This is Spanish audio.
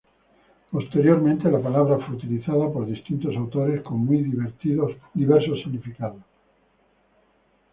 Posteriormente, la palabra fue utilizada por distintos autores con muy diversos significados.